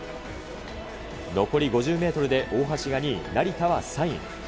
残り５０メートルで大橋が２位、成田は３位。